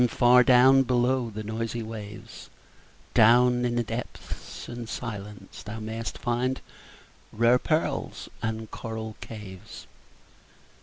far down below the noisy waves, Down in the depths and silence thou mayst find Rare pearls and coral caves.